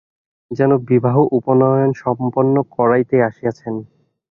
যেন বিবাহ উপনয়ন সম্পন্ন করাইতে আসিয়াছেন।